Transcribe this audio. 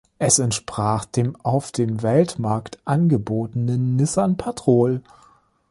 Es entsprach dem auf dem Weltmarkt angebotenen Nissan Patrol.